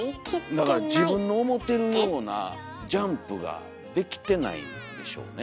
だから自分の思てるようなジャンプができてないんでしょうね。